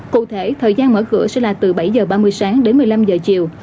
cụ thể thời gian mở cửa sẽ là từ bảy h ba mươi sáng đến một mươi năm giờ chiều